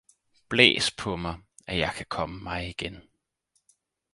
Blæs på mig, at jeg kan komme mig igen!